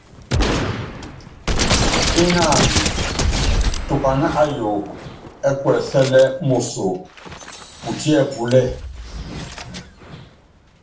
Ínanɔ tukaná ayuukɔ ɛ́ kuɛsɛ́lɛ́ moso, túopdo túolo.